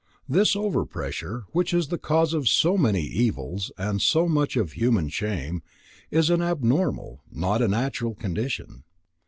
This over pressure, which is the cause of so many evils and so much of human shame, is an abnormal, not a natural, condition.